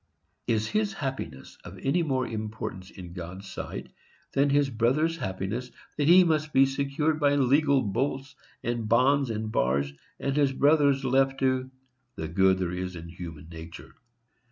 Is his happiness of any more importance in God's sight than his brother's happiness, that his must be secured by legal bolts, and bonds, and bars, and his brother's left to "the good there is in human nature"?